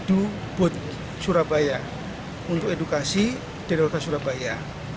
edu boat surabaya untuk edukasi dari lokal surabaya